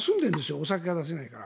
お酒が出せないから。